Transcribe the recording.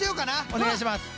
お願いします。